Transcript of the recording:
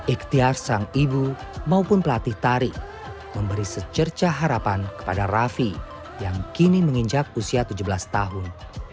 ikhtiar sang ibu maupun pelatih tari memberi secerca harapan kepada raffi yang kini menginjak usia tujuh belas tahun